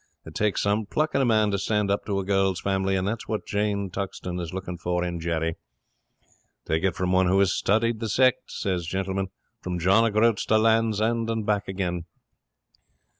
It takes some pluck in a man to stand up to a girl's family, and that's what Jane Tuxton is looking for in Jerry. Take it from one who has studied the sect," says Gentleman, "from John o' Groat's to Land's End, and back again."